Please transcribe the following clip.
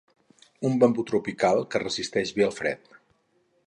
Un bambú tropical que resisteix bé el fred.